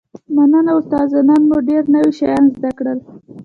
مننه استاده نن مو ډیر نوي شیان زده کړل